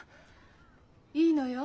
いいのよ。